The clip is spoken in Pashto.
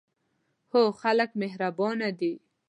هو، خلک مهربانه دي